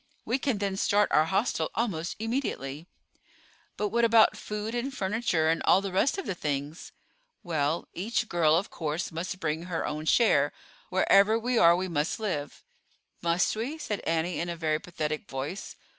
We can then start our hostel almost immediately." "But what about food and furniture and all the rest of the things?" "Well, each girl, of course, must bring her own share. Wherever we are we must live." "Must we?" said Annie in a very pathetic voice.